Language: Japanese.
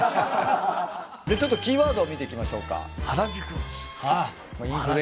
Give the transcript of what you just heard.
ちょっとキーワードを見ていきましょうか。